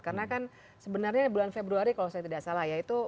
karena kan sebenarnya bulan februari kalau saya tidak salah ya itu